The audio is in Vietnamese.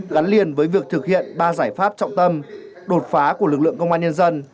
gắn liền với việc thực hiện ba giải pháp trọng tâm đột phá của lực lượng công an nhân dân